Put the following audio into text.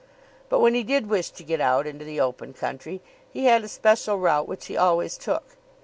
But when he did wish to get out into the open country he had a special route which he always took.